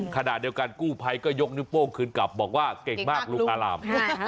ขณะเดียวกันกู้ภัยก็ยกนิ้วโป้งคืนกลับบอกว่าเก่งมากลุงอาราม